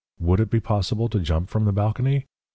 Would it be possible to jump from the balcony?